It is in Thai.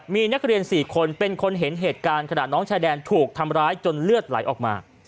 มีนักเรียน๔คนเป็นคนเห็นเหตุการณ์ขณะน้องชายแดนถูกทำร้ายจนเลือดไหลออกมา